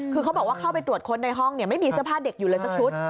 คือเขาบอกว่าเข้าไปตรวจค้นในห้องไม่มีเสื้อผ้าเด็กอยู่เลยสักชุด